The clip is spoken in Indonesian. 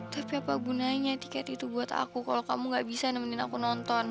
tapi apa gunanya tiket itu buat aku kalau kamu gak bisa nemenin aku nonton